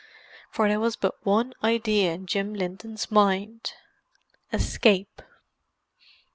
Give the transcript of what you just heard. For there was but one idea in Jim Linton's mind—escape.